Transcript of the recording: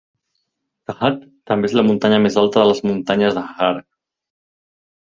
Tahat també és la muntanya més alta de les muntanyes Ahaggar.